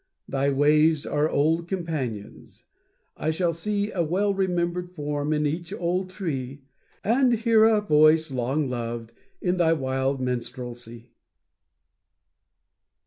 Thy waves are old companions, I shall see A well remembered form in each old tree, And hear a voice long loved in thy wild minstrelsy.